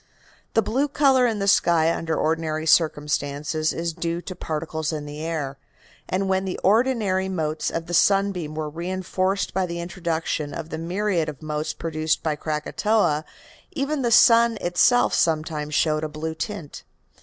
The blue color in the sky under ordinary circumstances is due to particles in the air, and when the ordinary motes of the sunbeam were reinforced by the introduction of the myriads of motes produced by Krakatoa even the sun itself sometimes showed a blue tint.